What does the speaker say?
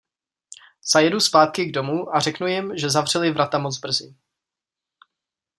Zajedu zpátky k domu a řeknu jim, že zavřeli vrata moc brzy.